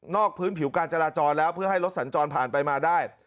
พื้นผิวการจราจรแล้วเพื่อให้รถสัญจรผ่านไปมาได้